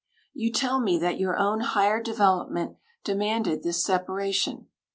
You tell me that your own higher development demanded this separation.